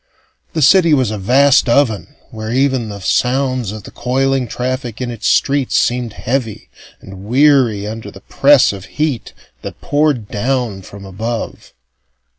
The city was a vast oven where even the sounds of the coiling traffic in its streets seemed heavy and weary under the press of heat that poured down from above.